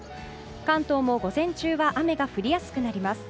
関東も午前中は雨が降りやすくなります。